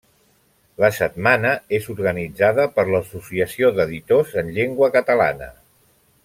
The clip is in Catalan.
La Setmana és organitzada per l’Associació d’Editors en Llengua Catalana.